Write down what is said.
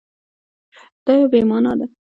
دا بې مانا ده